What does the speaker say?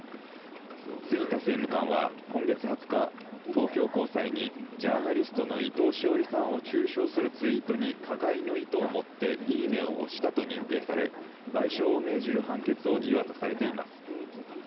杉田政務官は今月２０日、東京高裁にジャーナリストの伊藤詩織さんを中傷するツイートに加害の意図をもって「いいね」をしたと認定され、賠償を命じる判決を言い渡されています。